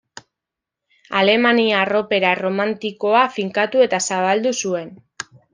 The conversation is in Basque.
Alemaniar opera erromantikoa finkatu eta zabaldu zuen.